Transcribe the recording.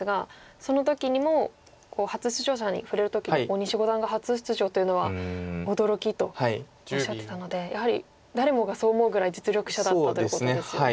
その時にも初出場者に触れる時に大西五段が初出場というのは驚きとおっしゃってたのでやはり誰もがそう思うぐらい実力者だったということですよね。